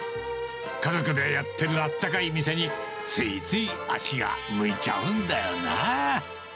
家族でやっているあったかい店に、ついつい足が向いちゃうんだよなぁ。